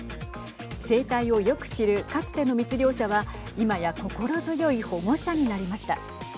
生態をよく知るかつての密猟者は今や心強い保護者になりました。